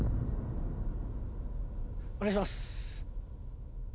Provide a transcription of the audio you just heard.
お願いします。